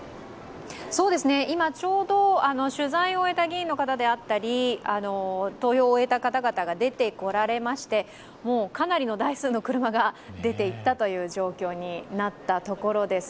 今ちょうど取材を終えた議員の方であったり投票を終えた方々が出てこられましてかなりの台数の車が出て行ったという状況になったところです。